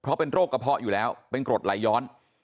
เพราะเป็นโรคกระเพาะอยู่แล้วเป็นกรดไหลย้อน